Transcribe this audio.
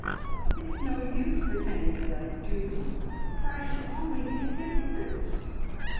It's no use pretending that I do, for I should only be a hypocrite."